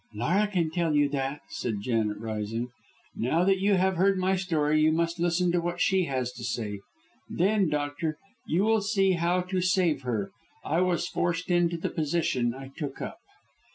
"Laura can tell you that," said Janet, rising. "Now that you have heard my story you must listen to what she has to say; then, doctor, you will see how to save her. I was forced into the position I took up."